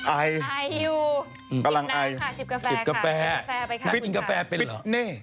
อายอยู่กินน้ำค่ะจิบกาแฟค่ะเป็นกาแฟไปค่ะคุณค่ะน่ากินกาแฟเป็นเหรอน่ากินเป็นเหรอ